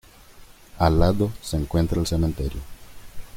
Al lado se encuentra el cementerio.